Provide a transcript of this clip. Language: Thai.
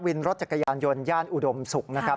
วินรถจักรยานยนต์ย่านอุดมศุกร์นะครับ